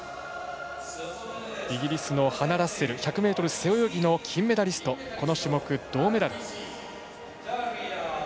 イギリスのハナ・ラッセル１００ｍ背泳ぎの金メダリスト、この種目銅メダル。